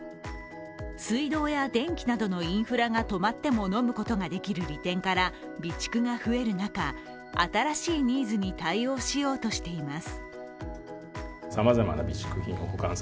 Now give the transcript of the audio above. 水道や電気などのインフラが止まっても飲むことができる利点から備蓄が増える中、新しいニーズに対応しようとしています。